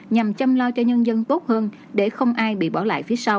nhằm chăm lo cho nhân dân tốt hơn để không ai bị bỏ lại phía sau